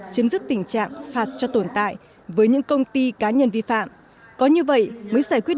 chấm dứt tình trạng phạt cho tồn tại với những công ty cá nhân vi phạm có như vậy mới giải quyết